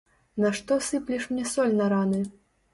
Нашто сыплеш мне соль на раны?